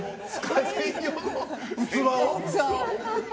器を？